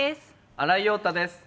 新井庸太です。